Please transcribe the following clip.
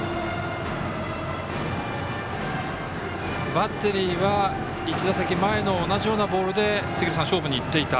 バッテリーは１打席前の同じようなボールで勝負にいっていた。